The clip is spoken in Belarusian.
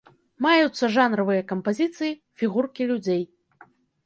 Маюцца жанравыя кампазіцыі, фігуркі людзей.